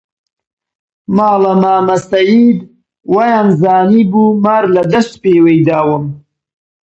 ماڵە مامە سەید وەیانزانیبوو مار لە دەشت پێوەی داوم